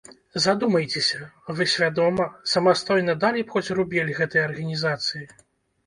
Задумайцеся, вы свядома, самастойна далі б хоць рубель гэтай арганізацыі?